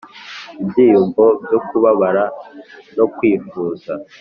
ibyiyumvo byo kubabara no kwifuza,